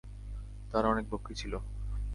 তার অনেক বকরী ছিল।